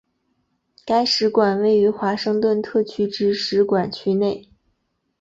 该使馆位于华盛顿特区之使馆区内。